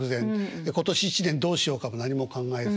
今年一年どうしようかも何も考えずに。